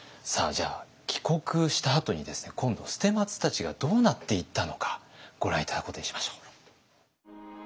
じゃあ帰国したあとに今度捨松たちがどうなっていったのかご覧頂くことにしましょう。